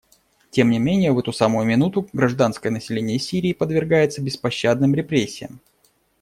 Тем не менее в эту самую минуту гражданское население Сирии подвергается беспощадным репрессиям.